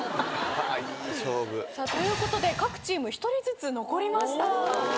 さあということで各チーム１人ずつ残りました。